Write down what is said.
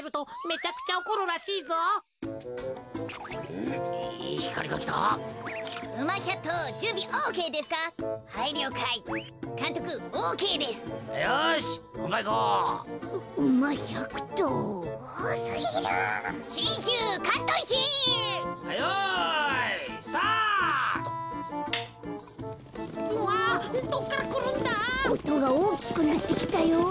おとがおおきくなってきたよ。